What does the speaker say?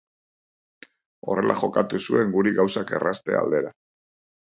Horrela jokatu zuen guri gauzak errazte aldera.